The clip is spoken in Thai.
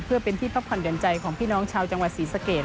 เพื่อเป็นที่พักผ่อนเดือนใจของพี่น้องชาวจังหวัดศรีสะเกด